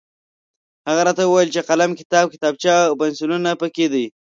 هغه راته وویل چې قلم، کتاب، کتابچه او پنسلونه پکې دي.